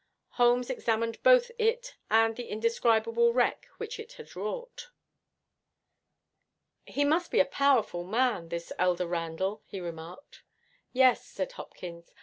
Holmes examined both it and the indescribable wreck which it had wrought. 'He must be a powerful man, this elder Randall,' he remarked. 'Yes,' said Hopkins.